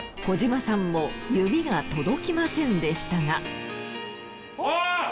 小島さんも指が届きませんでしたが。